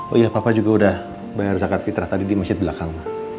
oh iya papa juga udah bayar zakat fitrah tadi di masjid belakang